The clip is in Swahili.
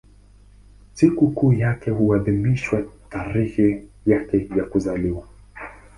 Sikukuu yake huadhimishwa tarehe yake ya kuzaliwa.